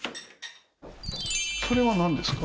それはなんですか？